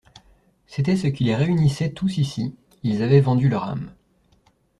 C’était ce qui les réunissait tous ici. Ils avaient vendu leur âme.